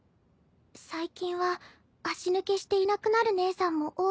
最近は足抜けしていなくなる姉さんも多いしね。